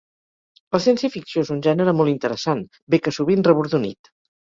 La ciència-ficció és un gènere molt interessant, bé que sovint rebordonit.